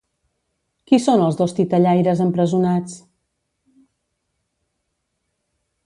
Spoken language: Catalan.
Qui són els dos titellaires empresonats?